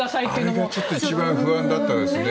あれが一番不安だったですね。